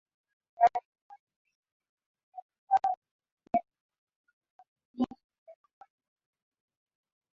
yale ambayo Rais wa Jamhuri ya muungano wa Tanzania Samia hakufanikiwa kuyakamilisha